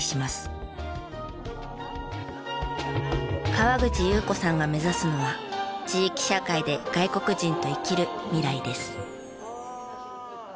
川口祐有子さんが目指すのは地域社会で外国人と生きる未来です。